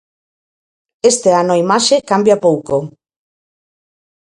Este ano a imaxe cambia pouco.